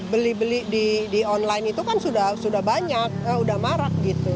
beli beli di online itu kan sudah banyak sudah marak gitu